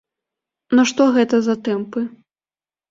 Ну што гэта за тэмпы?